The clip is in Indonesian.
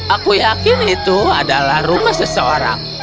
aku yakin itu adalah rumah seseorang